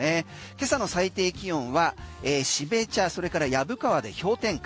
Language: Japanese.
今朝の最低気温は標茶それから薮川で氷点下。